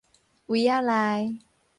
圍仔內